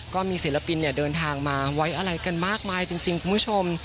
ก็มีศิลปินเดินทางมาไว้อะไรกันมากมายจริงคุณผู้ชม